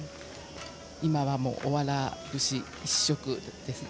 今はもう「おわら節」一色ですね。